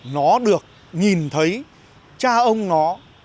nó được nhìn thấy cha ông nó